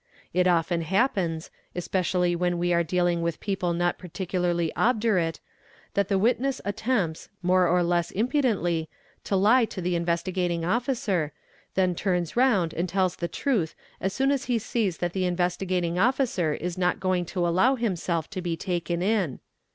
It often happens, especially when we are dealing with people not particularly obdurate, that the witness at tempts, more or less impudently, to le to the Investigating Officer, then turns round and tells the truth as soon as he sees that the Investigating Officer is not going to allow himself to be taken in.